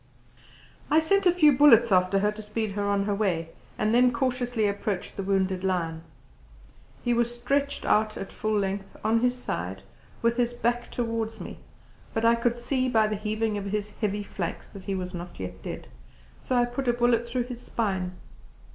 I sent a few bullets after her to speed her on her way, and then cautiously approached the wounded lion. He was stretched out at full length on his side, with his back towards me, but I could see by the heaving of his flanks that he was not yet dead, so I put a bullet through his spine.